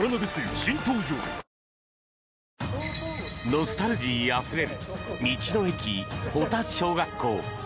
ノスタルジーあふれる道の駅・保田小学校。